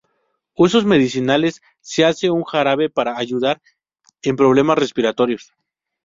Usos medicinales: se hace un jarabe para ayudar en problemas respiratorios.